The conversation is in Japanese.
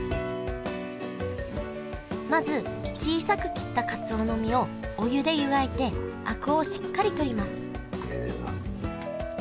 まず小さく切ったかつおの身をお湯で湯がいてあくをしっかりとります